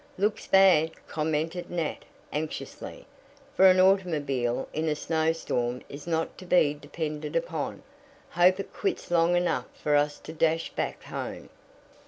"Looks bad," commented Nat anxiously, for an automobile in a snowstorm is not to be depended upon, "Hope it quits long enough for us to dash back home."